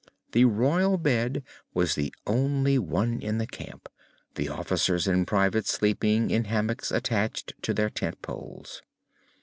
The royal bed was the only one in the camp, the officers and private sleeping in hammocks attached to their tent poles.